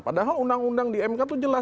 padahal undang undang di mk tuh jelas bahwa